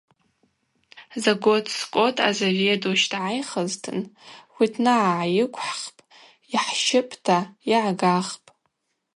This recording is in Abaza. Заготскӏот азаведущ дгӏайхызтын хвитнагӏа гӏайыквхӏхпӏ, йхӏщыпӏта йыгӏгахпӏ.